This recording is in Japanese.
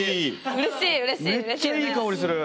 めっちゃいい香りする。